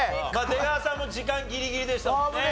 出川さんも時間ギリギリでしたもんね。